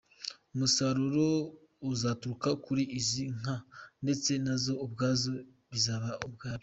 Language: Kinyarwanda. Umusaruro uzaturuka kuri izi nka ndetse nazo ubwazo bizaba ibyabo.